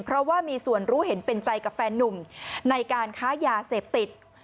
เพราะว่ามีส่วนรู้เห็นเป็นใจกับแฟนนุ่มในการค้ายาเสพติด